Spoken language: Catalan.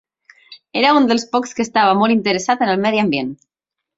Era un dels pocs que estava molt interessat en el medi ambient.